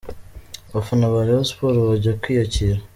Abafana ba Rayon Sports bajya kwiyakira .